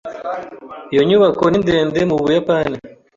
Iyo nyubako ni ndende mu Buyapani.